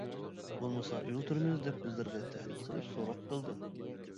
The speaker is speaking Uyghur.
بولمىسا ئۆلتۈرىمىز، ، دەپ بىزلەرگە تەھدىت قىلىپ سوراق قىلدى.